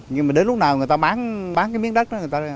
nhưng mà đến lúc nào người ta bán miếng đất đó